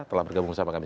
telah bergabung sama kami